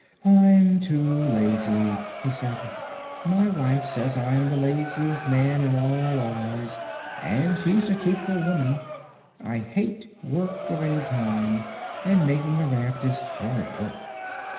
"I'm too lazy," he said. "My wife says I'm the laziest man in all Oz, and she is a truthful woman. I hate work of any kind, and making a raft is hard work."